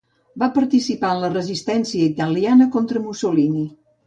Va participar en la Resistència italiana contra Mussolini.